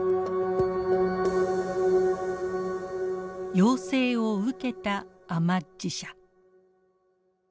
要請を受けたアマッジ社。